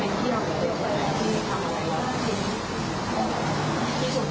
ให้น้องจะมีชีวิตหนุ่ม